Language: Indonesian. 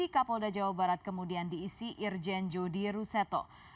kapolda jawa barat kemudian diisi irjen jody ruseto